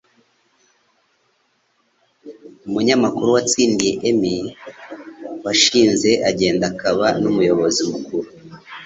umunyamakuru watsindiye Emmy, washinze Agenda akaba n'umuyobozi mukuru